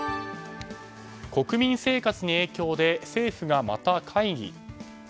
国民生活に影響で政府がまた会議。